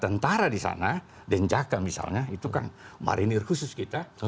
tentara di sana denjaka misalnya itu kan marinir khusus kita